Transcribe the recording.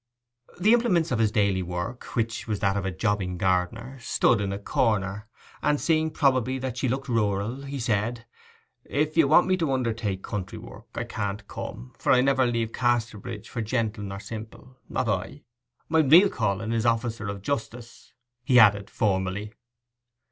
The implements of his daily work, which was that of a jobbing gardener, stood in a corner, and seeing probably that she looked rural, he said, 'If you want me to undertake country work I can't come, for I never leave Casterbridge for gentle nor simple—not I. My real calling is officer of justice,' he added formally.